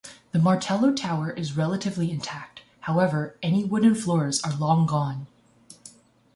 The martello tower is relatively intact however any wooden floors are long gone.